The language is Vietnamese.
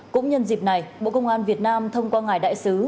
cũng nhân dịp này bộ công an việt nam thông qua ngài đại sứ